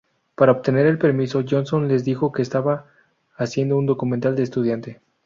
Para obtener el permiso, Johnson les dijo que estaba haciendo un documental de estudiante.